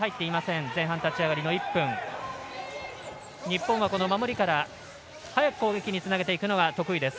日本は守りから早く攻撃につなげていくのが得意です。